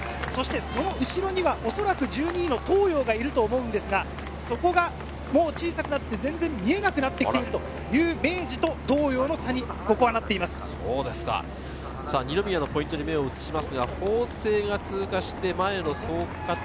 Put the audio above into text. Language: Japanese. その後ろには１２位の東洋がいると思うんですが、そこがもう小さくなって全然見えなくなってきているという明治と東洋の差で二宮のポイントに目を移します。